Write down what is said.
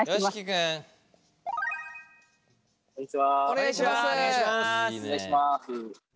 お願いします。